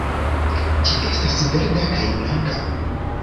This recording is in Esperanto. Ĝi estas verda kaj blanka.